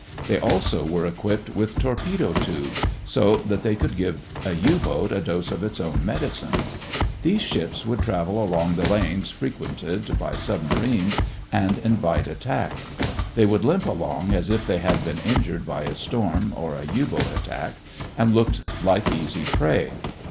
They also were equipped with torpedo tubes, so that they could give the U boat a dose of its own medicine. These ships would travel along the lanes frequented by submarines, and invite attack. They would limp along as if they had been injured by a storm or a U boat attack, and looked like easy prey.